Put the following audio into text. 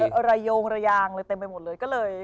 มันมีระยงระยางเต็มไปหมดเลย